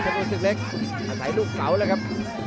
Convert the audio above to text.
สนุนสึกเล็กอาศัยลูกเสาร์เลยครับ